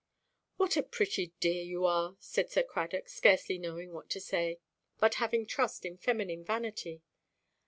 "What a pretty dear you are!" said Sir Cradock, scarcely knowing what to say, but having trust in feminine vanity.